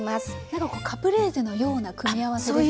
何かこうカプレーゼのような組み合わせですけど。